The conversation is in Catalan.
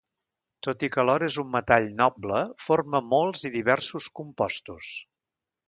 Tot i que l'or és un metall noble, forma molts i diversos compostos.